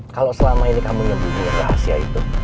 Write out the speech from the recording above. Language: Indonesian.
kalau selama ini kamu nyembunyi rahasia itu